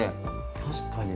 確かに。